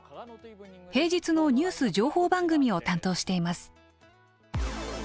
平日のニュース情報番組を担当しています。